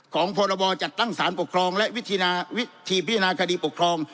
พรบจัดตั้งสารปกครองและวิธีพิจารณาคดีปกครอง